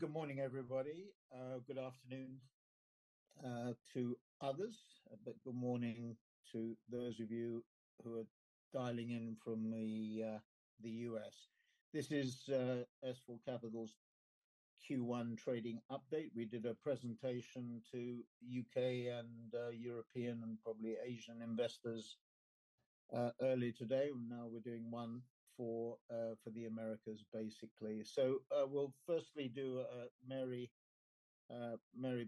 Good morning, everybody. Good afternoon to others, but good morning to those of you who are dialing in from the U.S.. This is S4 Capital's Q1 Trading Update. We did a presentation to U.K. and European and probably Asian investors earlier today, and now we're doing one for the Americas, basically. So we'll firstly do Mary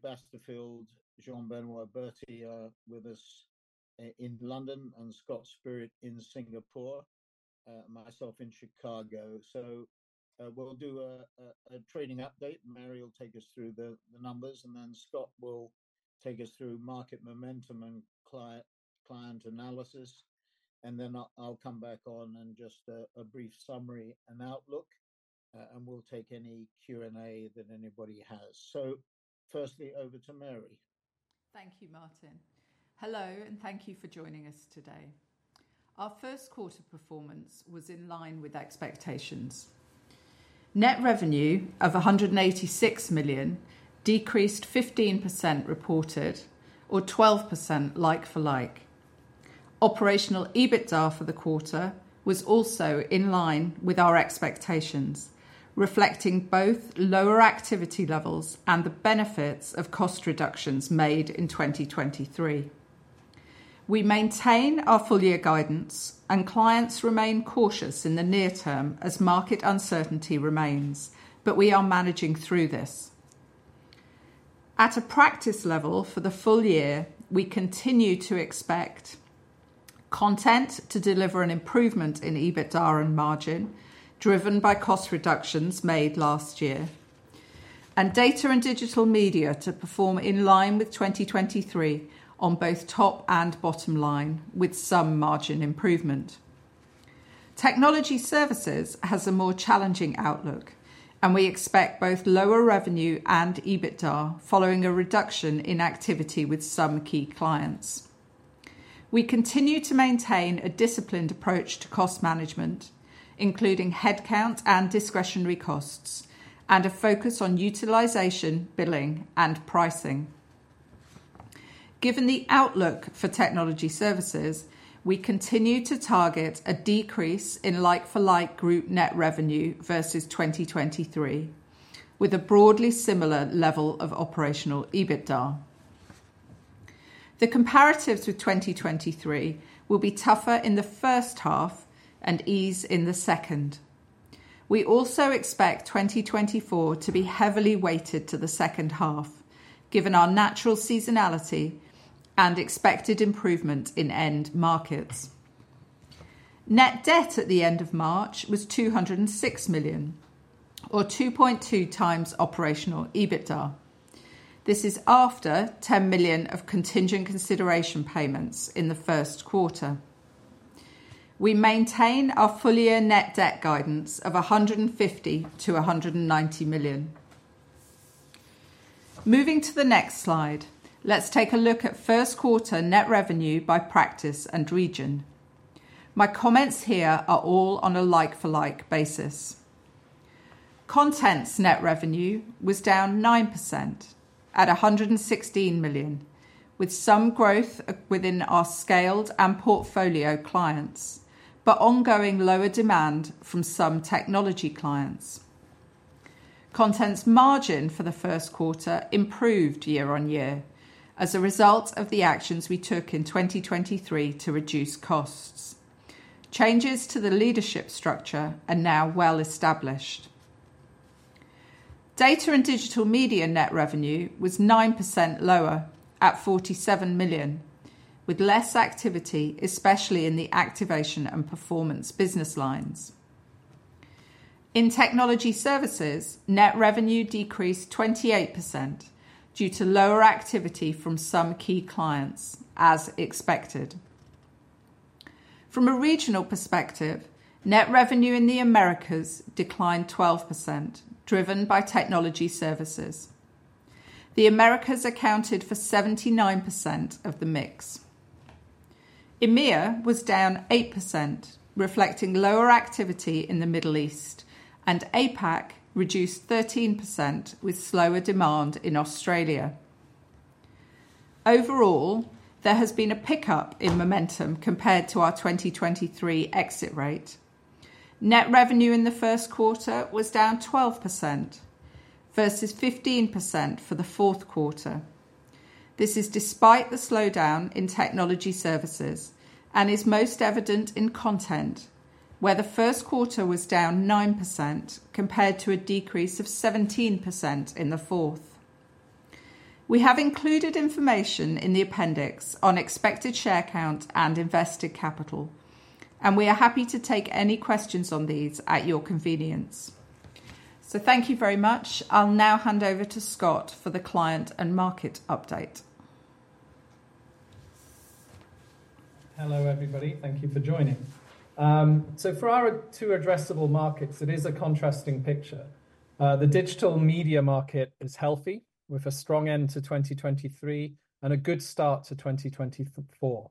Basterfield, Jean-Benoit Berty are with us in London, and Scott Spirit in Singapore, myself in Chicago. So we'll do a trading update, and Mary will take us through the numbers, and then Scott will take us through market momentum and client analysis. And then I'll come back on and just a brief summary and outlook, and we'll take any Q&A that anybody has. So firstly, over to Mary. Thank you, Martin. Hello, and thank you for joining us today. Our first quarter performance was in line with expectations. Net revenue of 186 million decreased 15% reported, or 12% like-for-like. Operational EBITDA for the quarter was also in line with our expectations, reflecting both lower activity levels and the benefits of cost reductions made in 2023. We maintain our full year guidance, and clients remain cautious in the near term as market uncertainty remains, but we are managing through this. At a practice level for the full year, we continue to expect Content to deliver an improvement in EBITDA and margin, driven by cost reductions made last year, and Data & Digital Media to perform in line with 2023 on both top and bottom line, with some margin improvement. Technology services has a more challenging outlook, and we expect both lower revenue and EBITDA following a reduction in activity with some key clients. We continue to maintain a disciplined approach to cost management, including headcount and discretionary costs, and a focus on utilization, billing, and pricing. Given the outlook for Technology Services, we continue to target a decrease in like-for-like group net revenue versus 2023, with a broadly similar level of operational EBITDA. The comparatives with 2023 will be tougher in the first half and ease in the second. We also expect 2024 to be heavily weighted to the second half, given our natural seasonality and expected improvement in end markets. Net debt at the end of March was 206 million, or 2.2x operational EBITDA. This is after 10 million of contingent consideration payments in the first quarter. We maintain our full-year net debt guidance of 150 million-190 million. Moving to the next slide, let's take a look at first quarter net revenue by practice and region. My comments here are all on a like-for-like basis. Content's net revenue was down 9% at 116 million, with some growth within our scaled and portfolio clients, but ongoing lower demand from some technology clients. Content's margin for the first quarter improved year-on-year as a result of the actions we took in 2023 to reduce costs. Changes to the leadership structure are now well established. Data & Digital Media net revenue was 9% lower at 47 million, with less activity, especially in the activation and performance business lines. In Technology Services, net revenue decreased 28% due to lower activity from some key clients, as expected. From a regional perspective, net revenue in the Americas declined 12%, driven by Technology Services. The Americas accounted for 79% of the mix. EMEA was down 8%, reflecting lower activity in the Middle East, and APAC reduced 13% with slower demand in Australia. Overall, there has been a pickup in momentum compared to our 2023 exit rate. Net revenue in the first quarter was down 12% versus 15% for the fourth quarter. This is despite the slowdown in Technology Services and is most evident in Content, where the first quarter was down 9%, compared to a decrease of 17% in the fourth. We have included information in the appendix on expected share count and invested capital, and we are happy to take any questions on these at your convenience. Thank you very much. I'll now hand over to Scott for the client and market update. Hello, everybody. Thank you for joining. So for our two addressable markets, it is a contrasting picture. The digital media market is healthy, with a strong end to 2023 and a good start to 2024.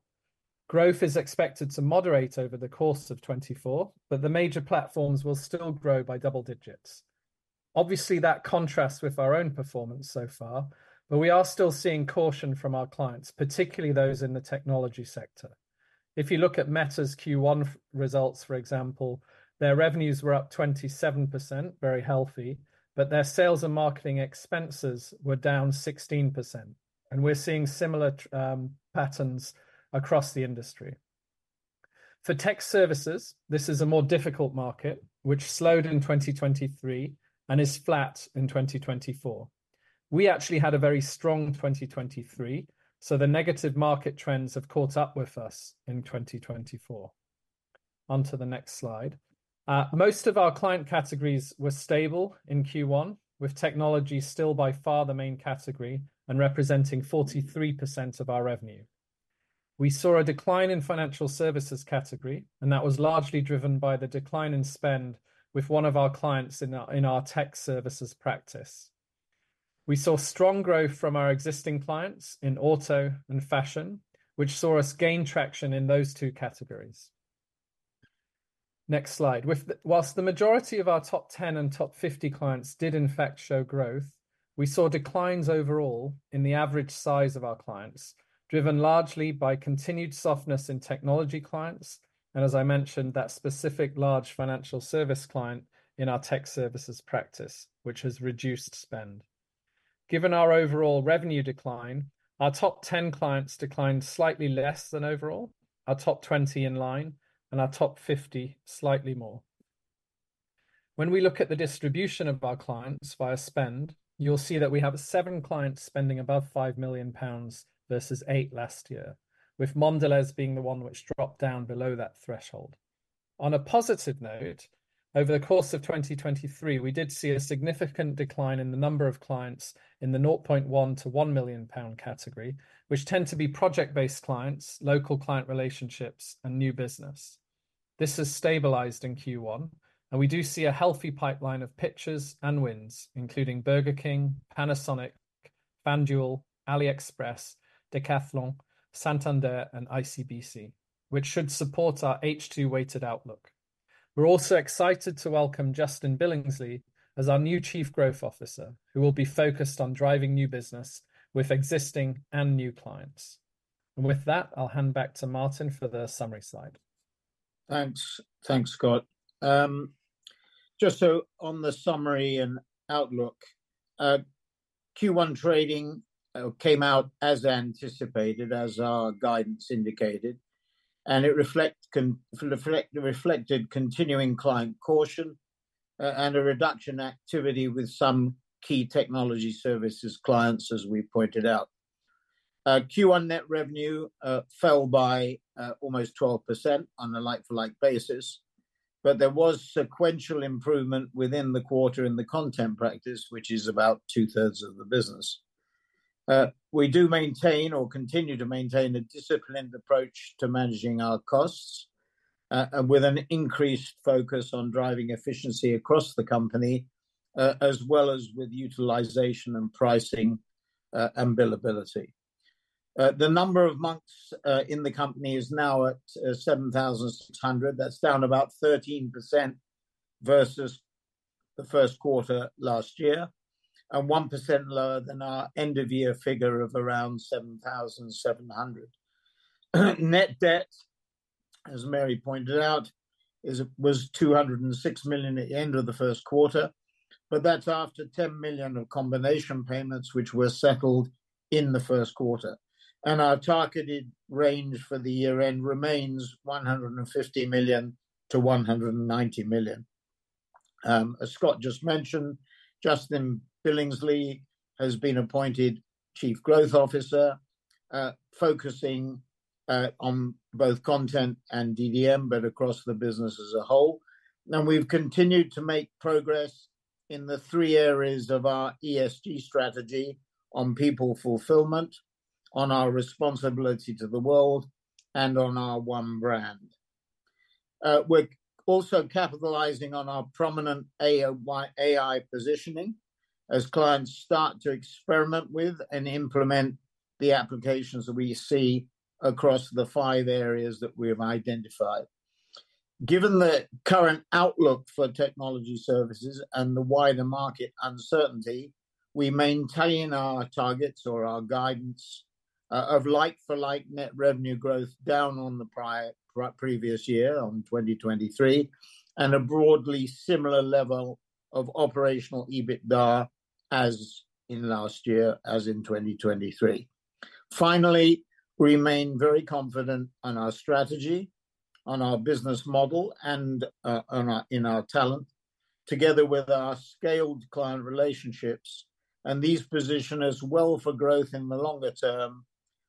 Growth is expected to moderate over the course of 2024, but the major platforms will still grow by double digits. Obviously, that contrasts with our own performance so far, but we are still seeing caution from our clients, particularly those in the technology sector. If you look at Meta's Q1 results, for example, their revenues were up 27%, very healthy, but their sales and marketing expenses were down 16%, and we're seeing similar patterns across the industry. For tech services, this is a more difficult market, which slowed in 2023 and is flat in 2024. We actually had a very strong 2023, so the negative market trends have caught up with us in 2024. Onto the next slide. Most of our client categories were stable in Q1, with technology still by far the main category and representing 43% of our revenue. We saw a decline in financial services category, and that was largely driven by the decline in spend with one of our clients in our, in our tech services practice. We saw strong growth from our existing clients in auto and fashion, which saw us gain traction in those two categories. Next slide. Whilst the majority of our top 10 and top 50 clients did in fact show growth, we saw declines overall in the average size of our clients, driven largely by continued softness in technology clients, and as I mentioned, that specific large financial service client in our tech services practice, which has reduced spend. Given our overall revenue decline, our top 10 clients declined slightly less than overall, our top 20 in line, and our top 50 slightly more. When we look at the distribution of our clients via spend, you'll see that we have seven clients spending above 5 million pounds versus eight last year, with Mondelēz being the one which dropped down below that threshold. On a positive note, over the course of 2023, we did see a significant decline in the number of clients in the 0.1 million-1 million pound category, which tend to be project-based clients, local client relationships, and new business. This has stabilized in Q1, and we do see a healthy pipeline of pitches and wins, including Burger King, Panasonic, FanDuel, AliExpress, Decathlon, Santander, and ICBC, which should support our H2-weighted outlook. We're also excited to welcome Justin Billingsley as our new Chief Growth Officer, who will be focused on driving new business with existing and new clients. And with that, I'll hand back to Martin for the summary slide. Thanks. Thanks, Scott. Just so on the summary and outlook, Q1 trading came out as anticipated, as our guidance indicated, and it reflected continuing client caution, and a reduction activity with some key Technology Services clients, as we pointed out. Q1 net revenue fell by almost 12% on a like-for-like basis, but there was sequential improvement within the quarter in the Content practice, which is about two-thirds of the business. We do maintain or continue to maintain a disciplined approach to managing our costs, and with an increased focus on driving efficiency across the company, as well as with utilization and pricing, and billability. The number of Monks in the company is now at 7,600. That's down about 13% versus the first quarter last year, and 1% lower than our end-of-year figure of around 7,700. Net debt, as Mary pointed out, is, was 206 million at the end of the first quarter, but that's after 10 million of combination payments which were settled in the first quarter. And our targeted range for the year-end remains 150 million-190 million. As Scott just mentioned, Justin Billingsley has been appointed Chief Growth Officer, focusing on both Content and DDM, but across the business as a whole. And we've continued to make progress in the three areas of our ESG strategy on people fulfillment, on our responsibility to the world, and on our one brand. We're also capitalizing on our prominent AI positioning as clients start to experiment with and implement the applications that we see across the five areas that we have identified. Given the current outlook for Technology Services and the wider market uncertainty, we maintain our targets or our guidance of like-for-like net revenue growth down on the previous year, on 2023, and a broadly similar level of operational EBITDA as in last year, as in 2023. Finally, we remain very confident on our strategy, on our business model, and on our, in our talent, together with our scaled client relationships. These position us well for growth in the longer term,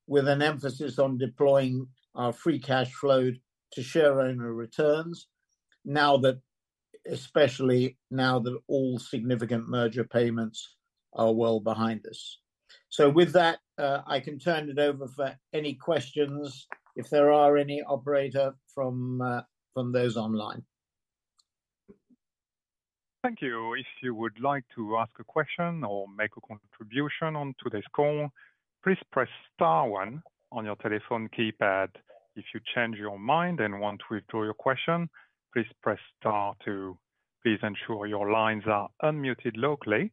with an emphasis on deploying our free cash flow to shareowner returns, now that, especially now that all significant merger payments are well behind us. So with that, I can turn it over for any questions, if there are any, operator, from those online.... Thank you. If you would like to ask a question or make a contribution on today's call, please press star one on your telephone keypad. If you change your mind and want to withdraw your question, please press star two. Please ensure your lines are unmuted locally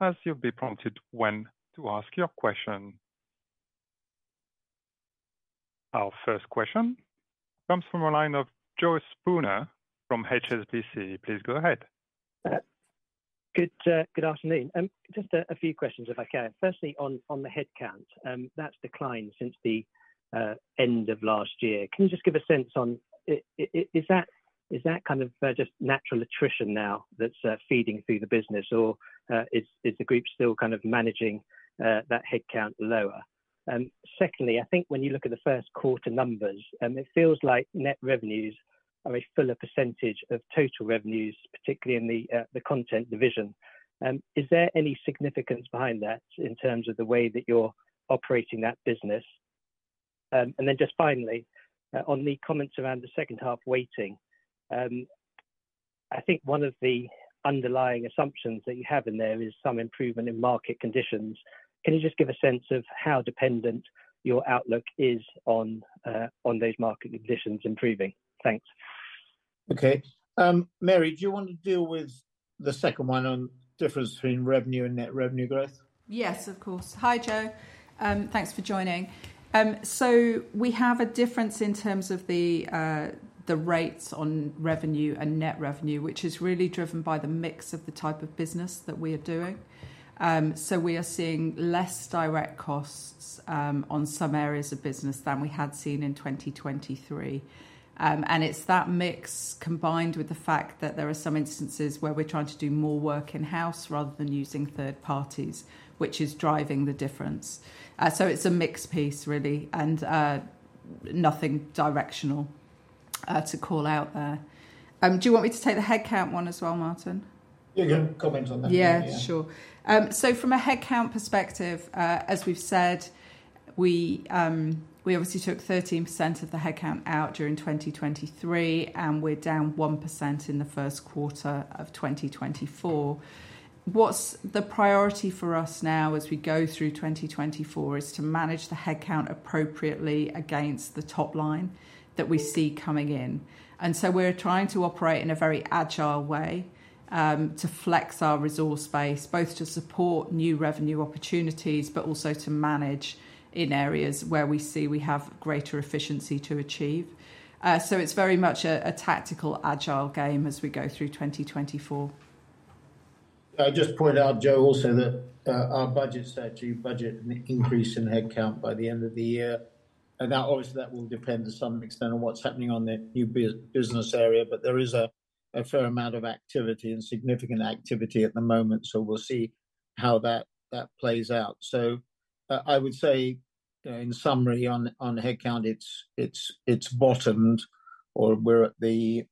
as you'll be prompted when to ask your question. Our first question comes from the line of Joe Spooner from HSBC. Please go ahead. Good afternoon. Just a few questions, if I can. Firstly, on the headcount, that's declined since the end of last year. Can you just give a sense on is that kind of just natural attrition now that's feeding through the business? Or is the group still kind of managing that headcount lower? Secondly, I think when you look at the first quarter numbers, it feels like net revenues are a fuller percentage of total revenues, particularly in the Content division. Is there any significance behind that in terms of the way that you're operating that business? And then just finally, on the comments around the second half weighting, I think one of the underlying assumptions that you have in there is some improvement in market conditions. Can you just give a sense of how dependent your outlook is on those market conditions improving? Thanks. Okay. Mary, do you want to deal with the second one on difference between revenue and net revenue growth? Yes, of course. Hi, Joe. Thanks for joining. So we have a difference in terms of the rates on revenue and net revenue, which is really driven by the mix of the type of business that we are doing. So we are seeing less direct costs on some areas of business than we had seen in 2023. And it's that mix, combined with the fact that there are some instances where we're trying to do more work in-house rather than using third parties, which is driving the difference. So it's a mixed piece really, and nothing directional to call out there. Do you want me to take the headcount one as well, Martin? Yeah, go comment on that one, yeah. Yeah, sure. So from a headcount perspective, as we've said, we obviously took 13% of the headcount out during 2023, and we're down 1% in the first quarter of 2024. What's the priority for us now as we go through 2024 is to manage the headcount appropriately against the top line that we see coming in. So we're trying to operate in a very agile way, to flex our resource base, both to support new revenue opportunities, but also to manage in areas where we see we have greater efficiency to achieve. So it's very much a tactical, agile game as we go through 2024. I'd just point out, Joe, also that, our budgets actually budget an increase in headcount by the end of the year. And that, obviously, that will depend to some extent on what's happening on the new business area, but there is a fair amount of activity and significant activity at the moment, so we'll see how that plays out. So, I would say, in summary, on headcount, it's bottomed or we're at the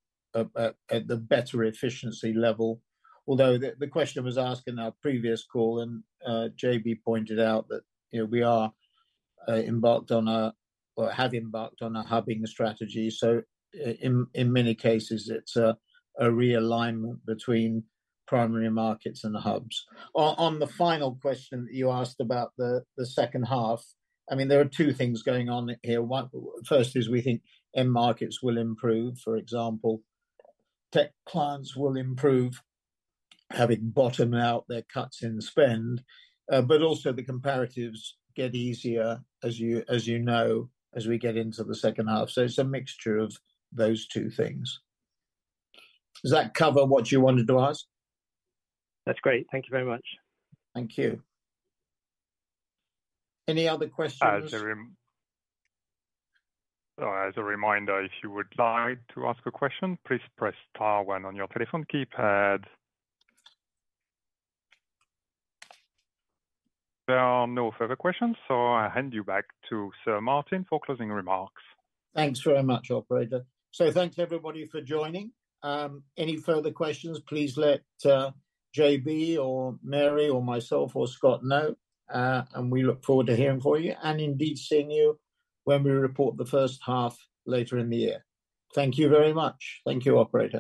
better efficiency level. Although, the question was asked in our previous call, and, JB pointed out that, you know, we are embarked on a or have embarked on a hubbing strategy. So in, in many cases, it's a realignment between primary markets and the hubs. On the final question you asked about the second half, I mean, there are two things going on here. One, first is we think end markets will improve. For example, tech clients will improve, having bottomed out their cuts in spend. But also the comparatives get easier, as you know, as we get into the second half. So it's a mixture of those two things. Does that cover what you wanted to ask? That's great. Thank you very much. Thank you. Any other questions? As a reminder, if you would like to ask a question, please press star one on your telephone keypad. There are no further questions, so I hand you back to Sir Martin for closing remarks. Thanks very much, operator. So thanks, everybody, for joining. Any further questions, please let JB or Mary or myself or Scott know, and we look forward to hearing from you and indeed seeing you when we report the first half later in the year. Thank you very much. Thank you, operator.